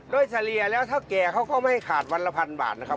โดยเฉลี่ยแล้วเท่าแก่เขาก็ไม่ขาดวันละพันบาทนะครับ